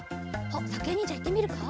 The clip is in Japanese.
さくやにんじゃいってみるか？